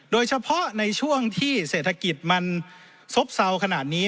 โดยเฉพาะในช่วงที่เศรษฐกิจมันซบเซาขนาดนี้